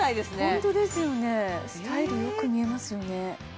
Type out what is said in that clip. ホントですよねスタイル良く見えますよね